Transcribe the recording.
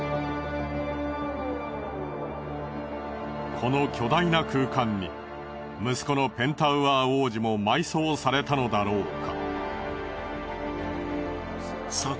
この巨大な空間に息子のペンタウアー王子も埋葬されたのだろうか？